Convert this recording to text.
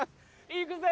行くぜ！